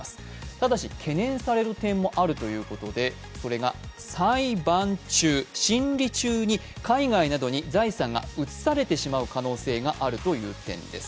ただし懸念される点もあるということで、それが裁判中、審理中に海外などに財産などが移されてしまう可能性があるという点です。